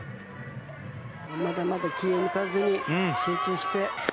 まだまだ気を抜かずに、集中して。